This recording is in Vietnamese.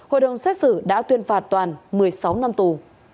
hội đồng xét xử đã tuyên phạt toàn một mươi sáu năm tù